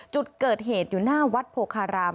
จุดเกิดเหตุอยู่หน้าวัดโพคาราม